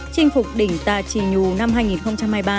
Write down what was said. trình phục đỉnh tà chi nhù năm hai nghìn hai mươi ba